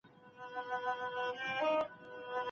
ډېر چاڼ د لوړ ږغ سره دلته راوړل سوی و.